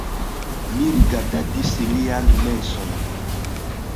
Mi rigardadis lian menson.